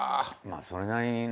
それなりにね。